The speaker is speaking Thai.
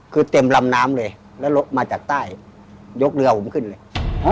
คือเต็มลำน้ำเลยแล้วรถมาจากใต้ยกเรือผมขึ้นเลย